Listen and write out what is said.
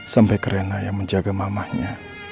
sampai ke rena yang menjaga mamahnya